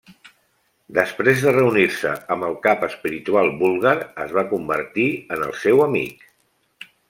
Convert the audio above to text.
Després de reunir-se amb el cap espiritual búlgar, es va convertir en el seu amic.